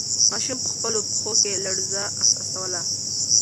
ماشوم په خپلو پښو کې لړزه احساسوله.